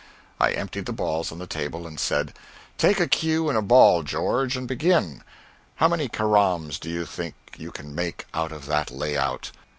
I emptied the balls on the table and said, "Take a cue and a ball, George, and begin. How many caroms do you think you can make out of that layout?"